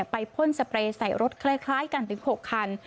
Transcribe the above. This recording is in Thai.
พ่นสเปรย์ใส่รถคล้ายกันถึง๖คัน